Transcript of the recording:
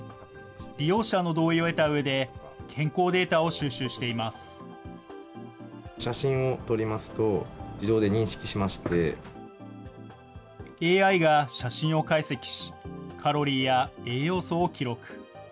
利用者の同意を得たうえで健康デＡＩが写真を解析し、カロリーや栄養素を記録。